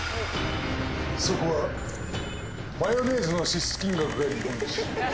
そこはマヨネーズの支出金額が日本一。